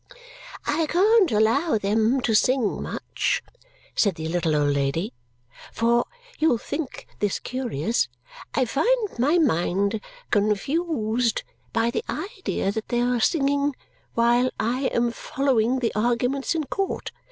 "I can't allow them to sing much," said the little old lady, "for (you'll think this curious) I find my mind confused by the idea that they are singing while I am following the arguments in court.